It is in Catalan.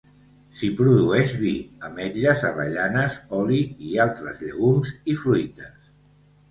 S'hi produeix vi, ametlles, avellanes, oli i altres llegums i fruites.